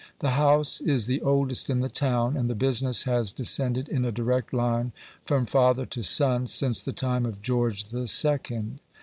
The house is the oldest in the town, and the business has descended in a direct line from father to son since the time of George the Second.